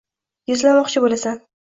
gizlamoqchi boʼlasan